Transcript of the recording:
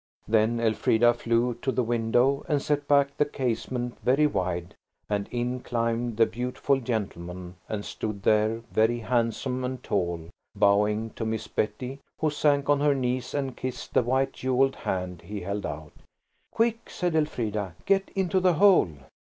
Then Elfrida flew to the window and set back the casement very wide, and in climbed the beautiful gentleman and stood there, very handsome and tall, bowing to Miss Betty, who sank on her knees and kissed the white, jewelled hand he held out. "Quick!" said Elfrida. "Get into the hole."